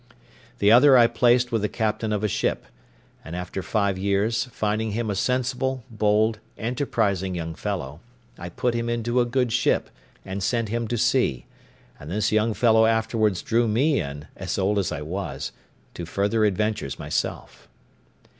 The other I placed with the captain of a ship; and after five years, finding him a sensible, bold, enterprising young fellow, I put him into a good ship, and sent him to sea; and this young fellow afterwards drew me in, as old as I was, to further adventures myself.